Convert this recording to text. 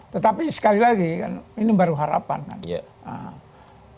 tetapi sekali lagi kan ini baru harapan kan